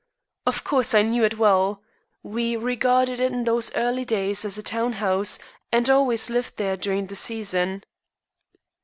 Of course, I knew it well. We regarded it in those early days as a town house, and always lived there during the season.